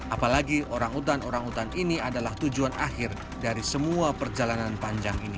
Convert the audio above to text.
apalagi orang utan orang hutan ini adalah tujuan akhir dari semua perjalanan panjang ini